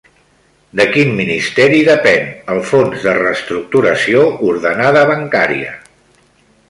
De quin ministeri depèn el Fons de Reestructuració Ordenada Bancària?